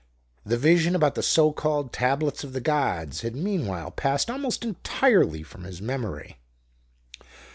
The vision about the so called Tablets of the Gods had meanwhile passed almost entirely from his memory.